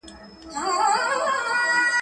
در نیژدې دي هم تر ځان یم هم تر روح، تر نفسونو `